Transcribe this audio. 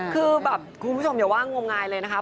คือแบบคุณผู้ชมอย่าว่างมงายเลยนะคะ